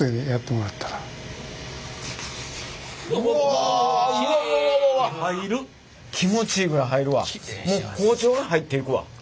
もう包丁が入っていくわ。